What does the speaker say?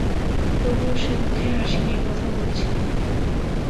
তবুও সে মুখে হাসি নিয়ে কথা বলছিল।